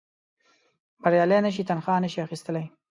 بریالي نه شي تنخوا نه شي اخیستلای.